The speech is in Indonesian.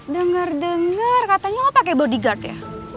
dengar dengar katanya lo pakai bodyguard ya